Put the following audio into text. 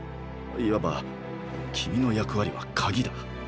いわば君の役割は「鍵」だ。